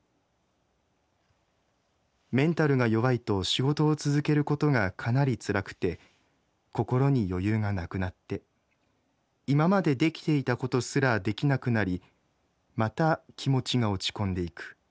メンタルが弱いと仕事を続けることがかなりツラくて心に余裕が無くなって今まで出来ていたことすら出来なくなりまた気持ちが落ち込んでいく。